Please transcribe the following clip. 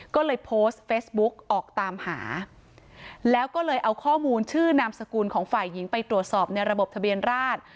ก็เลยโพสต์เฟซบุ๊กออกตามหาแล้วก็เลยเอาข้อมูลชื่อนามสกุลของฝ่ายหญิงไปตรวจสอบในระบบทะเบียนราช